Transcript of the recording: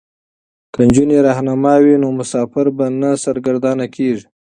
که نجونې رهنما وي نو مسافر به نه سرګردانه کیږي.